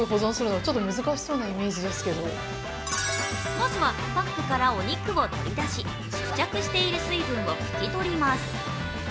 まずはパックからお肉を取り出し付着している水分を拭き取ります。